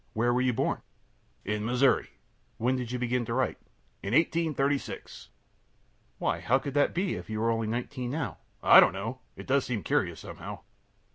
Where were you born? A. In Missouri. Q. When did you begin to write? A. In 1836. Q. Why, how could that be, if you are only nineteen now? A. I don't know. It does seem curious, somehow.